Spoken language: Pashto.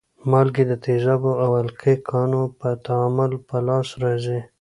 مالګې د تیزابو او القلي ګانو په تعامل په لاس راځي.